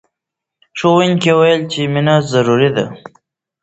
ښوونکي وویل چې مینه ضروري ده.